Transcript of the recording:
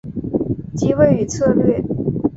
机会与策略